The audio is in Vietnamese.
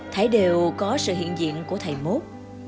thải đều có sự hiện diện của thầy mốt